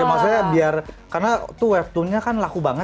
maksudnya biar karena tuh webtoonnya kan laku banget